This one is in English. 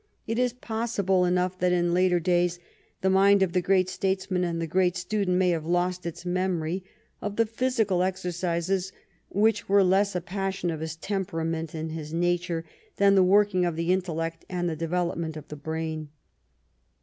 It is possible enough that in later days the mind of the great statesman and the great student may have lost its memory of the physical exercises which were less a pas sion of his temperament and his nature than the working of the intellect and the development of the brain.